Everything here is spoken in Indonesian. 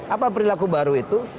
apa perilaku baru itu